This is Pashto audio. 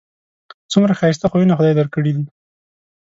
څومره ښایسته خویونه خدای در کړي دي